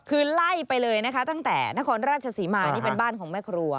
คือไล่ไปเลยนะคะตั้งแต่นครราชศรีมานี่เป็นบ้านของแม่ครัว